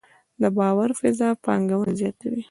د باور فضا پانګونه زیاتوي؟